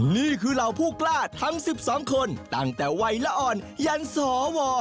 นี่คือเหล่าผู้กล้าทั้ง๑๒คนตั้งแต่วัยละอ่อนยันสว